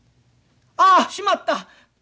「ああしまった！」。